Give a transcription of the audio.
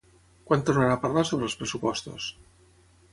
Quan tornarà a parlar sobre els pressupostos?